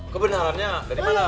kebenarannya dari mana